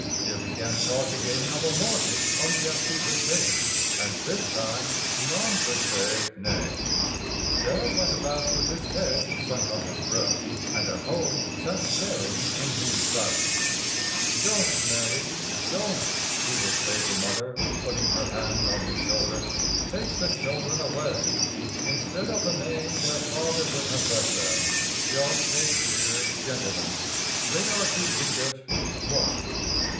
There began talk again of a mortgage on the Asbies estate, and this time none could say nay. Dad went about with his head sunk on his breast, and at home sat staring in moody silence. [Illustration: "Dad ... sat staring in moody silence"] "Don't, Mary, don't," he would say to Mother, putting her hand on his shoulder. "Take the children away. Instead of the name their father would have left them, 'John Shakespeare, Gentleman,' they are to read it what?"